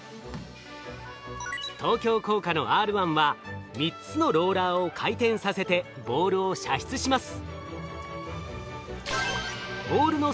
東京工科のＲ１は３つのローラーを回転させてボールを射出します。